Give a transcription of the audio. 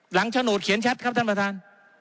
โฉนดเขียนชัดครับท่านประธาน